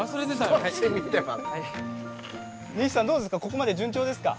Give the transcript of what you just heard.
ここまで順調ですか？